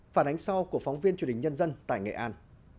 phản ánh sau của phóng viên truyền hình nhân dân tại nghệ an